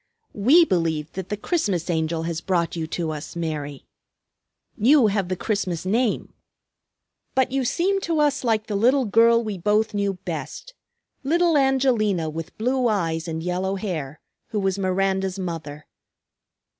"We believe that the Christmas Angel has brought you to us, Mary. You have the Christmas name. But you seem to us like the little girl we both knew best, little Angelina with blue eyes and yellow hair, who was Miranda's mother.